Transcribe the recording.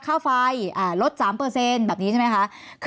ค่าไฟลด๓แบบนี้ใช่ไหมคะ